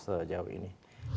jadwal sejauh ini